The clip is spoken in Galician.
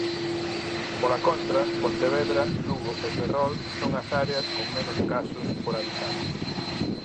Pola contra, Pontevedra, Lugo e Ferrol son as áreas con menos casos por habitante.